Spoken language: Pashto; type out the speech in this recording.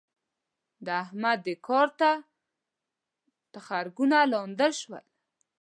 د احمد؛ دې کار ته تخرګونه لانده شول.